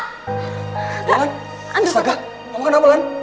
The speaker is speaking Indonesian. mama kenapa lan